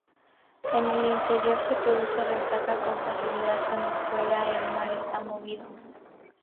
En el interior se produce resaca con facilidad cuando fuera el mar está movido.